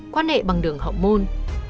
quan hệ bằng đường hậu môn